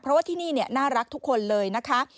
เพราะว่าที่นี่น่ารักทุกคนเลยนะคะ